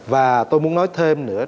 và tôi muốn nói thêm nữa